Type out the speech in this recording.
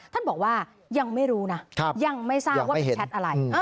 ท่านบอกว่ายังไม่รู้นะยังไม่ทราบว่าเป็นแชทอะไร